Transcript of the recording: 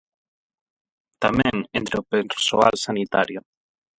Tamén entre o persoal sanitario.